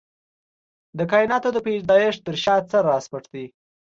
د کائناتو د پيدايښت تر شا څه راز پټ دی؟